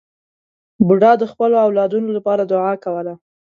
بوډا د خپلو اولادونو لپاره دعا کوله.